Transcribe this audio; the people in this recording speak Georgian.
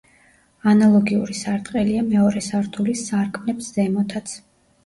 ანალოგიური სარტყელია მეორე სართულის სარკმლებს ზემოთაც.